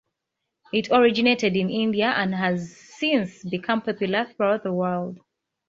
It originated in India and has since become popular throughout the world.